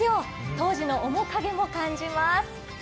当時の面影も感じます。